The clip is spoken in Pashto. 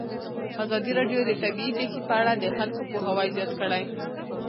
ازادي راډیو د طبیعي پېښې په اړه د خلکو پوهاوی زیات کړی.